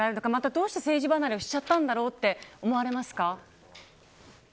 どうして政治離れをしてしまったのかと思われますか。